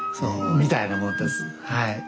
みたいなもんですはい。